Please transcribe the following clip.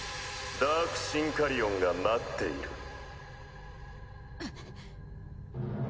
ダークシンカリオンが待っている。